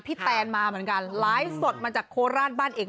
แตนมาเหมือนกันไลฟ์สดมาจากโคราชบ้านเอก